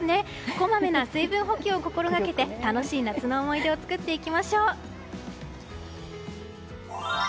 こまめな水分補給を心掛けて楽しい夏の思い出を作っていきましょう！